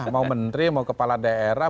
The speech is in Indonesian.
mau menteri mau kepala daerah